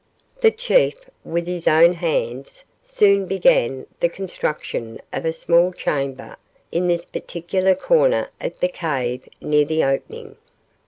The chief, with his own hands, soon began the construction of a small chamber in this particular corner of the cave, near the opening.